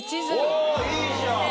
おいいじゃん！